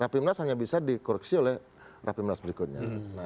rapimnas hanya bisa dikoreksi oleh rapimnas berikutnya